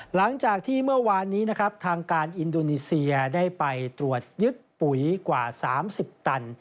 หลังจากที่เมื่อวานนี้นะครับทางการอินโดนีเซียได้ไปตรวจยึดปุ๋ยกว่า๓๐ตัน